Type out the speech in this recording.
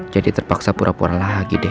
jadi terpaksa pura pura lagi deh